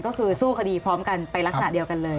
ก็คือสู้คดีพร้อมกันไปลักษณะเดียวกันเลย